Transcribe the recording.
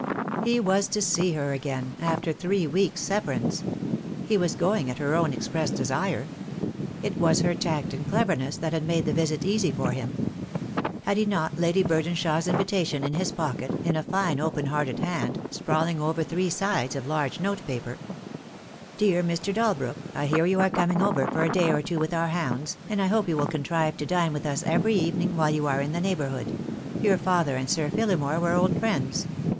He was to see her again — after three weeks' severance. He was going at her own express desire. It was her tact and cleverness that had made the visit easy for him. Had he not Lady Burdenshaw's invitation in his pocket, in a fine open hearted hand, sprawling over three sides of large note paper: — "Dear Mr. Dalbrook, — I hear you are coming over for a day or two with our hounds, and I hope you will contrive to dine with us every evening while you are in the neighbourhood. Your father and Sir Phillimore were old friends.